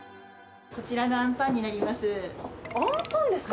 こちらのあんぱんになります。